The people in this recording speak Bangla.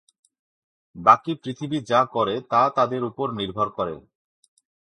বাকি পৃথিবী যা করে তা তাদের উপর নির্ভর করে।